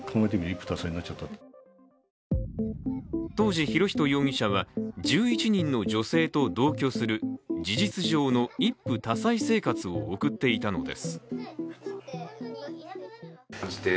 当時、博仁容疑者は１１人の女性と同居する事実上の一夫多妻生活を送っていたのです。